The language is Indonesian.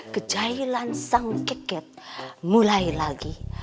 kecailan sang keket mulai lagi